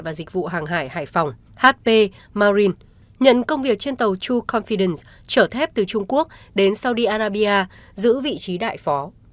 và dịch vụ hàng hải hải phòng hp marine nhận công việc trên tàu true confidence trở thép từ trung quốc đến saudi arabia giữ vị trí đại phó